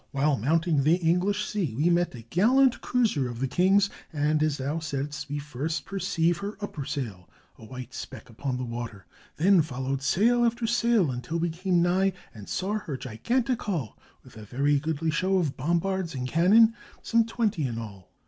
While mounting the English sea, we met a gallant cruiser of the king's, and, as thou said'st, we first perceived her upper sail, a white speck upon the water; then followed sail after sail until we came nigh and saw her gigantic hull, with a very goodly show of bombards and cannon — some twenty in all."